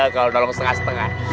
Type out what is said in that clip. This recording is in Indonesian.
kalau nolong setengah setengah